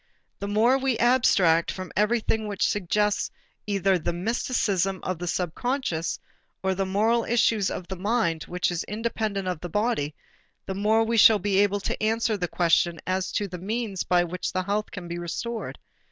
The more we abstract from everything which suggests either the mysticism of the subconscious or the moral issues of a mind which is independent of the body, the more we shall be able to answer the question as to the means by which health can be restored.